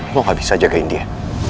lo gak bisa jagain dia